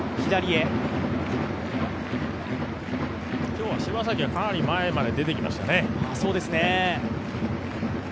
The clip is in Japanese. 今日は柴崎はかなり前まで出てきましたね。